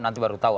nanti baru tahu